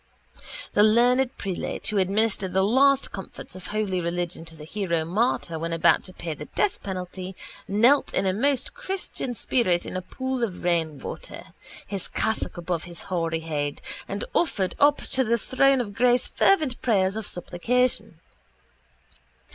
The learned prelate who administered the last comforts of holy religion to the hero martyr when about to pay the death penalty knelt in a most christian spirit in a pool of rainwater, his cassock above his hoary head, and offered up to the throne of grace fervent prayers of supplication.